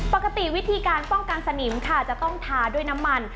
ปกติวิธีการป้องกันสนิมค่ะจะต้องทาด้วยน้ำมัน